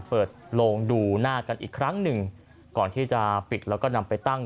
โลงดูหน้ากันอีกครั้งหนึ่งก่อนที่จะปิดแล้วก็นำไปตั้ง